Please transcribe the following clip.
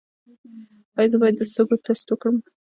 ایا زه باید د سږو ټسټ وکړم؟